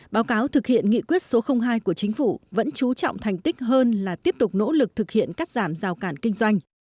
báo cáo thực hiện nghị quyết số hai của chính phủ vẫn trú trọng thành tích hơn là tiếp tục nỗ lực thực hiện cắt giảm rào cản kinh doanh